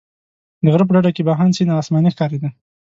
د غره په ډډه کې بهاند سیند اسماني ښکارېده.